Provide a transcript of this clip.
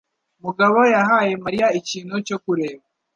Mugabo yahaye Mariya ikintu cyo kureba.